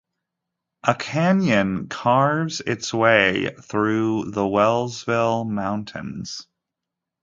A canyon carves its way through the Wellsville Mountains.